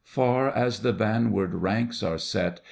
Far as the vanward ranks are set.